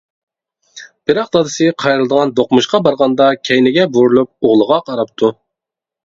بىراق دادىسى قايرىلىدىغان دوقمۇشقا بارغاندا كەينىگە بۇرۇلۇپ ئوغلىغا قاراپتۇ.